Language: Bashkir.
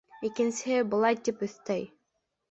Икенсеһе былай тип өҫтәй: